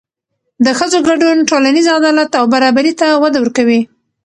د ښځو ګډون ټولنیز عدالت او برابري ته وده ورکوي.